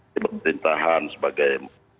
di pemerintahan sebagai